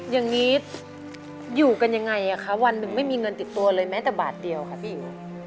อย่างนี้อยู่กันยังไงคะวันหนึ่งไม่มีเงินติดตัวเลยแม้แต่บาทเดียวค่ะพี่อิ๋ว